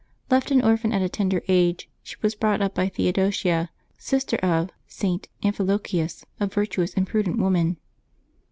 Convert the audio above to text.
Left an orphan at a tender age, she was brought up by Theo dosia, sister of St. Amphilochius, a virtuous and prudent woman.